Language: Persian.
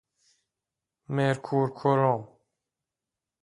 مرکورکرم